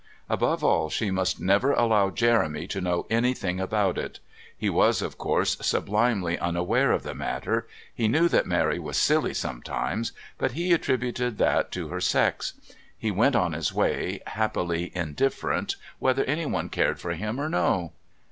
Above all, she must never allow Jeremy to know anything about it. He was, of course, sublimely unaware of the matter; he knew that Mary was silly sometimes, but he attributed that to her sex; he went on his way, happily indifferent whether anyone cared for him or no...